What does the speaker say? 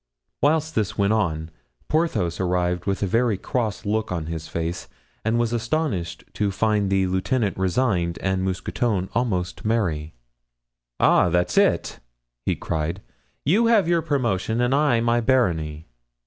Whilst this went on, Porthos arrived with a very cross look on his face, and was astonished to find the lieutenant resigned and Mousqueton almost merry. "Ah, that's it!" he cried, "you have your promotion and I my barony."